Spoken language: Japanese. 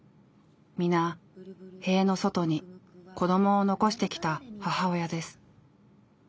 皆塀の外に子どもを残してきた母親です。